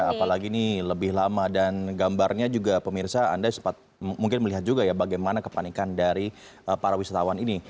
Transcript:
apalagi ini lebih lama dan gambarnya juga pemirsa anda sempat mungkin melihat juga ya bagaimana kepanikan dari para wisatawan ini